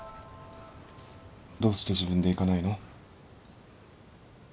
どうして自分で行かないの？